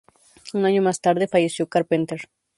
Un año más tarde falleció Carpenter.